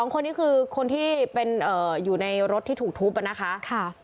๒คนนี้คือคนที่เป็นอยู่ในรถที่ถูกทุบนะคะ